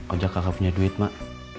ojek kakak punya duit mak